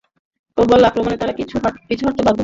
প্রবল আক্রমণে তারা পিছু হটতে বাধ্য হলেন।